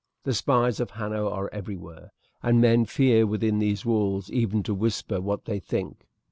The spies of Hanno are everywhere, and men fear within these walls even to whisper what they think.